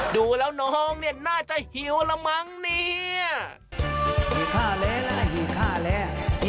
ดูแล้วน้องเนี่ยน่าจะหิวละมั้งเนี่ย